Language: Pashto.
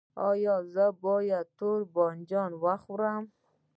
ایا زه باید تور بانجان وخورم؟